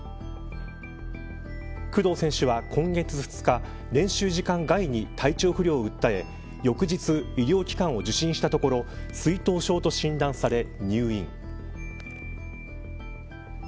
工藤選手は今月２日練習時間外に体調不良を訴え翌日、医療機関を受診したところ水頭症と診断され入院。